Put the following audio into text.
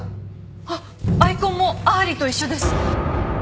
あっアイコンもアーリーと一緒です！